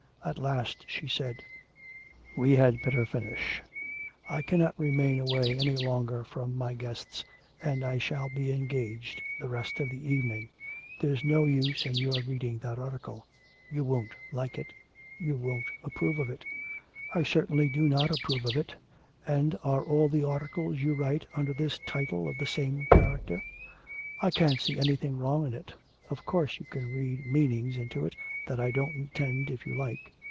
At last she said: 'We had better finish: I cannot remain away any longer from my guests, and I shall be engaged the rest of the evening. There's no use in your reading that article. You won't like it. You won't approve of it.' 'I certainly do not approve of it, and are all the articles you write under this title of the same character?' 'I can't see anything wrong in it. Of course you can read meanings into it that I don't intend if you like.'